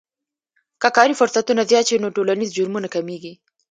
که کاري فرصتونه زیات شي نو ټولنیز جرمونه کمیږي.